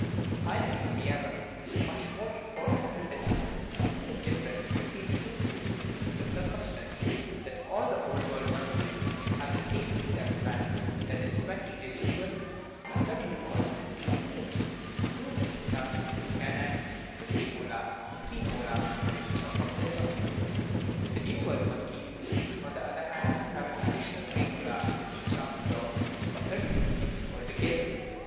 Finally, we have a much more important and decisive difference between the two groups in the circumstance that all the Old World monkeys have the same teeth as man i.e., twenty deciduous and thirty two permanent teeth (two incisors, one canine, two premolars, and three molars in each half of the jaw). The New World monkeys, on the other hand, have an additional premolar in each half jaw, or thirty six teeth altogether.